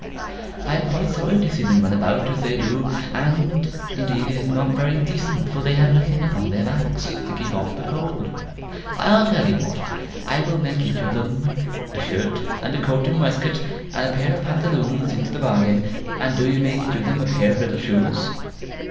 I am quite sorry to see them run about as they do; and indeed it is not very decent, for they have nothing upon their backs to keep off the cold. I'll tell you what, I will make each of them a shirt, and a coat and waistcoat, and a pair of pantaloons into the bargain; and do you make each of them a little pair of shoes.